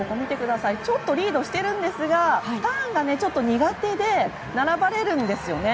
ちょっとリードしているんですがターンがちょっと苦手で並ばれるんですよね。